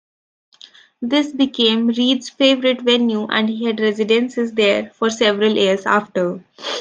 This became Reid's favourite venue and he had residencies there for several years after.